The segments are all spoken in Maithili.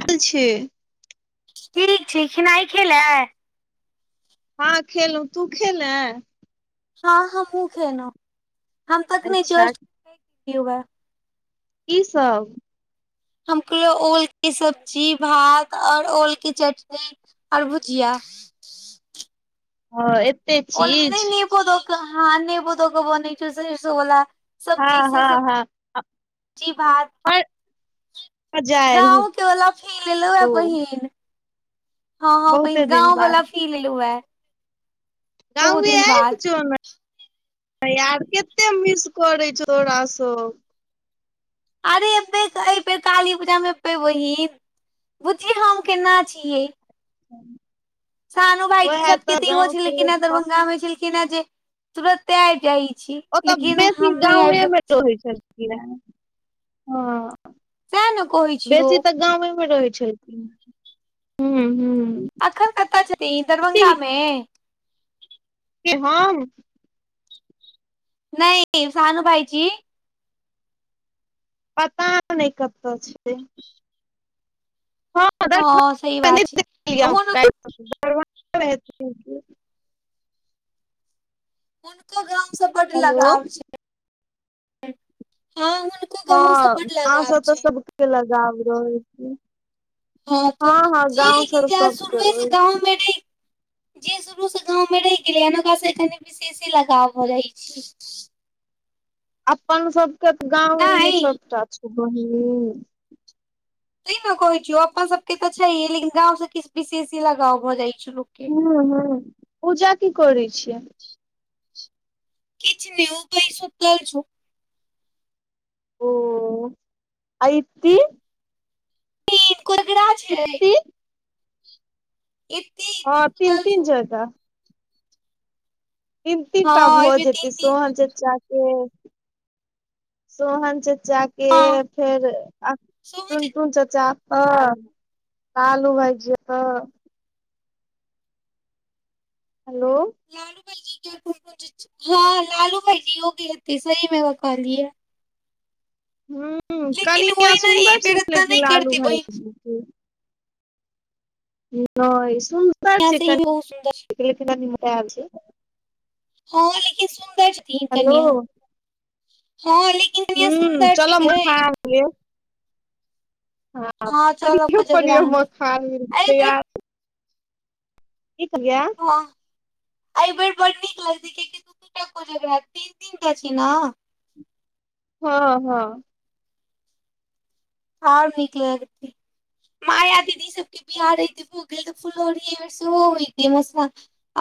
बैसल छै। ठीक छै। खेनाइ खएल? हँ, खेलहुँ। तू खेलऽ। हँ, हमहूँ खेलहुँ। हम एखनहि अच्छा जुस्ट खेलियै। कि सभ हम तऽ ओलके सब्जी भात आओर ओलके चटनी। आर भुजिया। हँ, एतै। ओलमे नहि ने, पोदोक हँ ने, पोदोक बऽला। हँ सब्जी से सभ सब्जी भात फेर गामक बला फी लेलहुँ हँ हेतौ बहिन, हँ हँ बहिन बहुते दिन गामवला। बाद काल लै। गाममे अहैब जो ने? तऽ आओर कते मिस करै छौ तोरा सभ? अरे ए, एहि बेर काली पूजामे ए बहिन। बुझी, हम केहन छियै? हँ सानु भाईजी सबकेँ तऽ इहो गाँव छलै के कि न लोक दरभंगामे छैल कि ने, जे तुरते जाइ छी। ओतऽ लेकिन बेसी हम नहि गाममे आबि सक रहै छै। हँ, सएह ने कहै छियौ बेसी तऽ। गाममे रहै छलखिन, हँ हँ। एखन कतऽ छथिन? दरभंगामे? के, हम? नहि, सानू भाइजी। पता नहि कतऽ छै। हँ सही बात छै हुन [unintelligible] हुनको गामसँ बड़ लगाव छै, हँ हुनको। गाँव से हँ, बड लगाव एहसँ तऽ छै सभके लगाव रहै छै। हँ तऽ हँ जे, गाँव लेकिन से जाए सबके सुरवै सँ गाममे रहै। जे शुरूसँ गाममे रहि गेलै, ओकरासँ कनि विशेषे लगाव भऽ रहैत छै। अपन सभके गामे नहि सभटा छै, बहिन। तै ने कहै छौ, अपन सभके तऽ छैहे, लेकिन गामसँ किछु विशेष लगाव भऽ जाइ छै लोकके। हँ हँ, पूजा की करै छियै? किछु नहि, ओ पैघ सुतल छै। ओ एति। तीन कोरा छै ए। इति हँ, तीन-तीन जगह। तीन तीन टा हँ भऽ एहिबे जेतै, तीन तीन सोहन चाचा हूँ, सोहन चाचा के हँ फेर आ, सोहन तुन छै, तुन चाचा? ह, कालू भाइजी त हेलो लालू भाई जी क हँ लालू भई जी हो गेथ सही मे कहियऐ ह कनि लेकिन ओहिना ई सुन्दर बेर एतऽ नहि छैाल करतै भ बहिन नहि सुन्दर कन्या छै सही मे बहुत सुन्दर छै किनी क मब छै हँ लिखी सुन्दरती हेलो कन्य हँ लिखी हू चल मखा आ ल आ हँ प चलब कोजगरा मे खा एहि तै बेर की केलिय ह एहि बे बड नीक लगत कियकि दूटा को जगहय तीन तीन टा छी ने हँ हँ हर नीक लगते माया दीदी सबके बिहार रही भ काल त फूलो रिये है वरस ओ होई मसा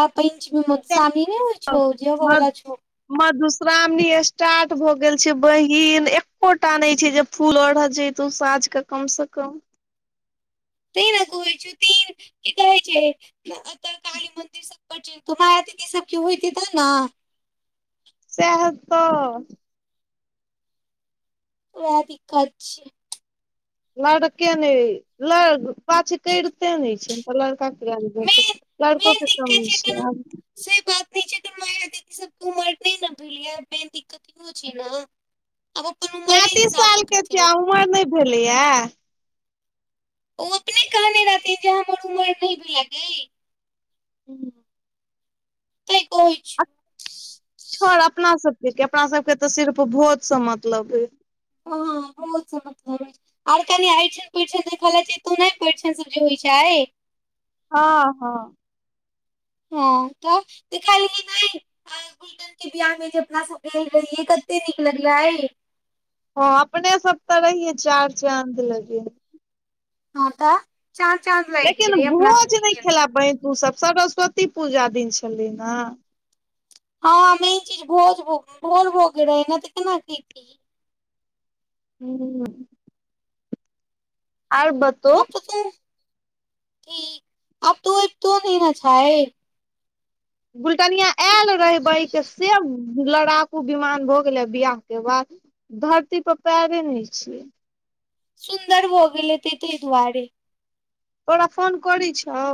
आ पंचमी में मधुश्रावणी नहि हो छौ जो वला मध छौ मधुश्रावणी स्टार्ट भ गेल छै बहिन एकोटा नहि छै जे फूल अढ़ऽ जे तऽ ओ साँझके कमस कम त ने कोइ छ तीन की कहै छै काली मन्दिर से ब तमहरा त सबकी होइत तऽ ने सैह तऽ ओएह दिक ख छै लड़के ने ल पाछ करिते ने छै लड़काेतै मेन लड़कोक के कमी छ आब सही बात नहि छै म दी सबक उमर नहि न भलियै मेन दिक्कत इहो छै ने अब ओ अपन उमरे हिसाबसँ करत रह कमर नहि भेलैया ओ अपने कहने रहथिन जे हमर उमर नय भेले अखेन हूँ त कह छर अपना सबके अपना सबके तऽ सिर्फ भोज से मतलब ह बहुत सम मतलब छै आर कनि अरिन परिषण देख छ तो नहि परिषण सब जे होइत छै हँ हँ हँ त ऽ ख नहि किरण के बियाह में जे अपना सब गेल रहिय कते नीक लगले हँ अपने सब तऽ रहि चार चाँद लगे हँ त चार चाँद लेकिन भोज नहि गेल खेला पहि तू सब सरस्वती पूजा दिन छलह हँ मैन चीज भोज भ भोर भ गले ने त केना क हूँ आर बतो आब तऽ ठीक अब तो अ तो न न छाे बुलटनिया एल रहबैके से लड़ाकू विमान भ गेले बिियाह के बाद धरती पर पैारे नहि छियै सुन्दर भ गेलै तैं एहि दुआरे ओकरा फोन करै छौ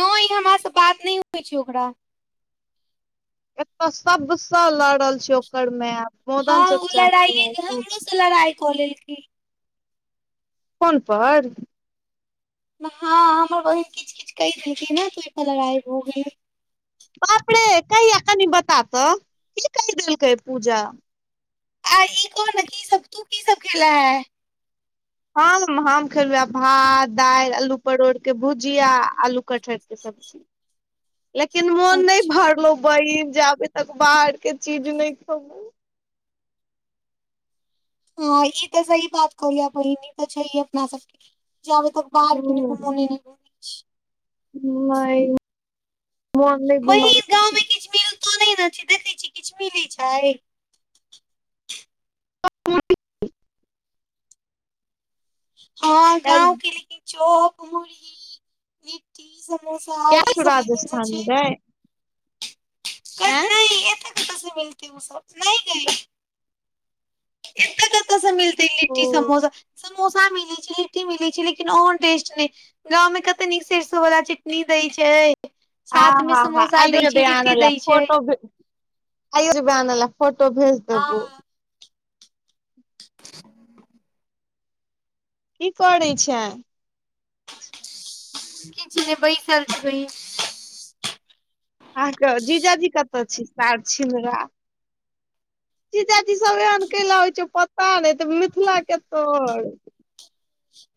नै ई हमर से बात नहि होइ छै ओकरा एत सबसँ लड़ल छै ओकर मैं हँ ओ लड़ाइए जे हमरो से लड़ाइ कऽ लेलखिन फोन पर हँ हमर बहिन किछु किछु कहि देलख ने तू ओहि पर लड़ाई हो गेल बाप रे कहिया कनि बता तऽ की कहि देलकै पूजा आ ई तो न की सब तू की सब खेले है हँ हम खेलहुँ आ भात दालि आलू परोरके भुजिया आलू कटहरके सब्जी लेकिन मोन नइ अच्छा भरलो बहन जाबे तक बाहर के चीज नहि खब हँ ई तऽ सही बात कह बहिनी तऽ छै अपना सबके जाबे तऽ बाहर कि नहि हूँ घुमानने [unintelligible] नहि अनेक बिमार बहिन गाँव मे [unintelligible] किछ मिलतो नहि ने छै देखै छी किछ मिलैत छै हँ गाँव के लेकिन चौक मुड़ही लिट्टी सब ई सब लेकिन जे राजस्थान छी आय कस मिलती ओ सब नइ गई एक कतस मिल लिट्टी ऐं समोसा समोसा मिली छी लिट्टी मिली छी लेकिन ओनटेस्ट न गाँव मे कते नीक सरसों वाला चटनी दय छै हँ साथ मे हँ हँ समोसा आइौ दै छै बे आन लिट्टी ल दै छै फोटो भी आयरबन [unintelligible] फोटो भेज दे हँ बौ की करै छै किछ नहि बैसल छी अहाँके जीजाजी कत छी सार छिनरा ची चाची सब एन क हो छै पता नहि त मिथिला केतो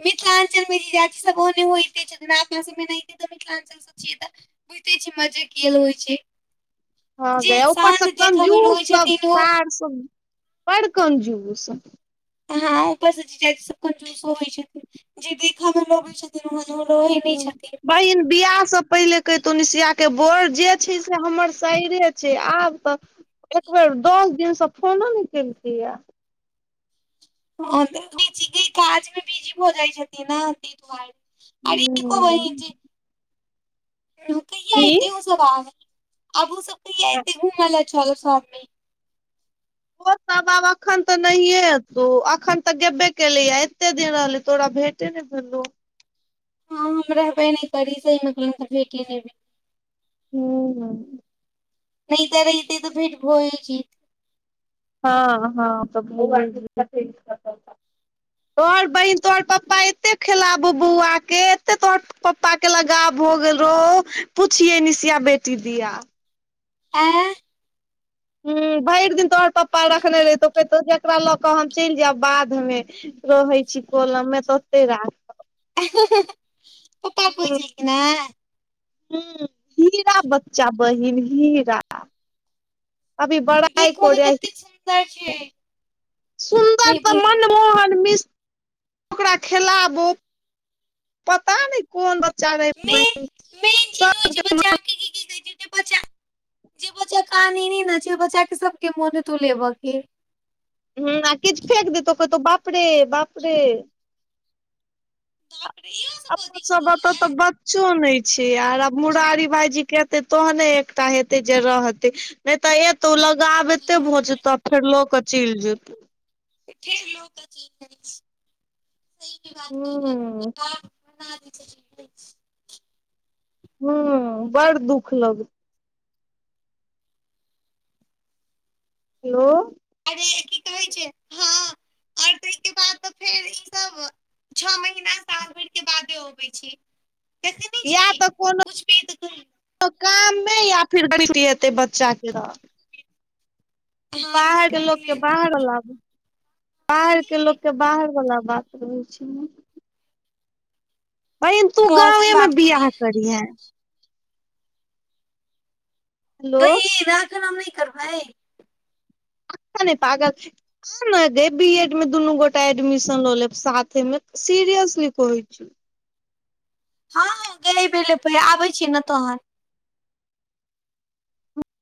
मिथिलाञ्चल मे जाति सबने होेनातना सब नहि तऽ मिथिलाञ्चलसँ छिय बुझ ते छ मजा कल होइ छै हँ जे गय ऊपर शान्त से देखऽ मे कंजूस रहै सब छथिन ओ सर सब बड़ कंजूस हँ ऊपर से जी जाति सब जूसो होइ छथि जे देखऽ मे लगैत छथिन तमन ल हूँ बहिन बियाह से पहिले क तो निशिया के बोल जे छै से हमर सायरे छै आब त एक बेेर दस दिन सँ फोनो न केलके य हँ काज मे बिजी भऽ जाइ छथिन ने तहि दुआरे अर न को हूं बहि [unintelligible] की है आब ओ सब कहिय एते घूम ल चल सबमे ओ बाब एखन तऽ नहिये तौ अखन तऽ गेबे केलेह एते दिन रहले तोरा भेंटे ने भेलौ हँ हम रहबे ने परीस मेल तऽ भेटेब हूँ नहि त रह [unintelligible] त भेट भो छी हँ हँ त तोहर बहिन तोहर पप्पा एतेक खेलाबो बौआके एतेक तोहर पपा के लगाव भयगेल रहौ पुछिए निशिया बेटी दिये आ ह भैर दिन तोहर पप्पा रखने रहितौहितहु जेकरा लऽ क हम चैल जैब बादधमे रहै छी कलम मे तते राख ह हूँ ना हूँ हीरा बच्चा बहिन हीरा अभी बड़ा हइ देखहो कोय मे रहे कतेक सुन्दर छै सुन्दर नहि त बहिन मनमोहन मिश्र ओकरा खिलाबू पता नै कोन बच्चा अर हिन मेन मेन चीज होइ छै सबके बच्चा के की की कहै छै जे बच्चा जे बच्चा काने ने न छै ओ बच्चा के सबके मोन हेते लेबे के हूँ आ किछ फेक देतो कहतौ बाप रे बाप रे बाप रे इहो स कह दे छिये लेले किछो नै छै आर आब मुरारी भाायजी केतै तोहने एकटा हेतै जे रहतै नै तऽ एतौ लगाबते हँ भऽजत फेर लऽ के चैल जेतौ फेर लोक की कर सी की बात हूँ कह हूँ बड़ दुख लग हेलो अरे की कहै छै हँ ओर ताहि के बाद त फेर ई सब छओ महिना सात भर के बादे अबै छै देखै नै छी या तऽ कुछ भी तऽ कोनो काममे या फिर गरीबी हेतै बच्चा के हँ ओहि सँ बाहर के लोकके पहिले नै बाहर लाबु बाहर के लोक के बाहर वला बात रहै छै ने बहिन तू हँ गाँवै सही बात में बियाह कहलियै करिहे ग हेलो वह त न हम नहि करबाए तान पगल ह ने गे बी एड मे दुनू गोटा एडमिशन ल लेब साथे में सीरियसली कहै छी हँ ग भेलै आबे छी ने तोहर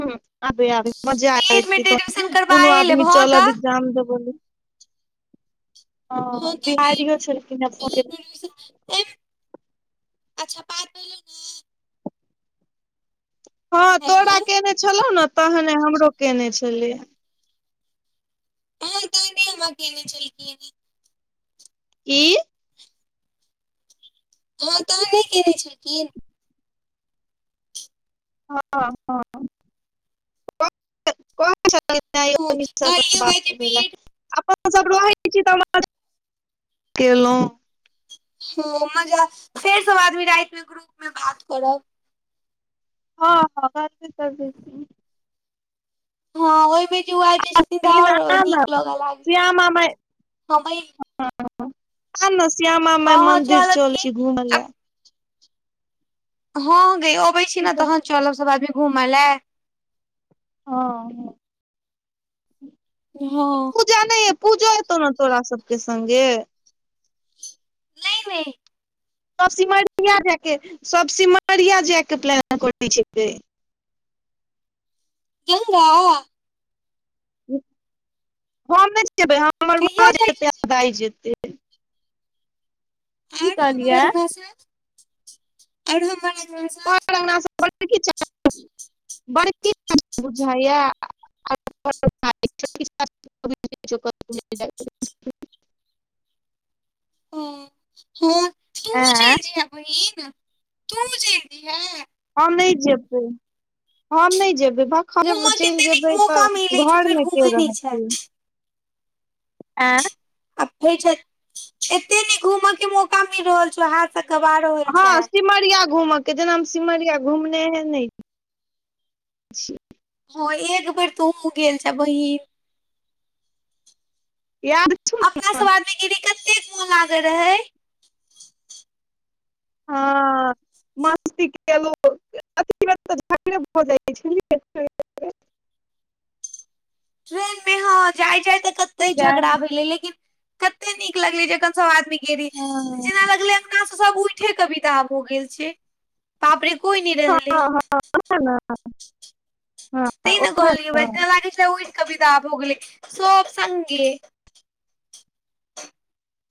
ह आबी आब मजा आ बी एड मे तऽ त एडमिशन दुनू करबाए लेब आदमी हँ चलब तऽ एगजाम देबे ल ह हँ तऽ बी एड बिहारीयो मे छलखिन अपना बी के एड मे एडमिशन एम अच्छा बात भेलौ ने हँ तोरा हेलो केने छलौ ने तहने हमरो केने छलियै हँ त हम केने चलक [unintelligible] ई हँ तहन नहि कयने छलखिन हँ हँ हँ कहलियै बात वैह जे बी एड हमसब रहै छी तऽ केलहुँ ह मजा फेर सब आदमी रात में ग्रुप में बात करब हँ हँ करबी करब हँ ओहिमे जे ओ आब जा छथिन त लेकिन आओर आ न नीक लगे ल हँ आ ने श्यामा हँ माय हँ मंन्दिर चलब चल की छी घुमय आब लए हँ ग अबै छी की ने कहै तहन चलब सभ आदमी घूमय ल हँ हँ पूजा न य पूजो ऐतौ ने तोरा सबके संगे नहि नहि सब सिमरिया जायके सब सिमरिया जायके प्लान करै छैकै जन्द हम नहि जेबै हमर माँ कहिया जाइ जेतै आ दाइ जेतै की आर कहलियै हमर [unintelligible] ग से आर हमर अ से तोहर अंगना बड़की बुझाइया [unintelligible] ओ हँ तू ऐं चल जेहे है बहिन तूहो चल जेयहे हम नहि जेबै हम नहि जेबै जब घूमऽ के चैल एते नीक जेबै मौका मिलै तऽ छौ घर फेर मे के घूमै नहि छै रहथि अय आफे एते न घूमे के मौका मिल रहल छै हाथ कबारो हँ सिमरिया घूमे के जेना हम सिमरिया घुमने है न ह एक बेर तू गेल छ बहिन या थू अपना सब आदमी गिरी कतेक मोन लागे रहे हँ मस्तेल झ भ ट्रेन मे हँ जाय जाय तऽ नहि कते गै झगड़ा भेलै लेकिन कते नीक लगले जखन सब आदमी गेली हँ जेना लगले अंगना से सब उठे कविता भ गेल छै पापड़े कोई नहि रहले हं तैं न कहल ब लाग ओहिठ कभी द भोगल सोप सगे